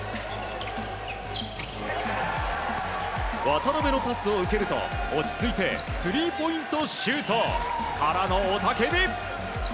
渡邊のパスを受けると落ち着いてスリーポイントシュートからの雄たけび！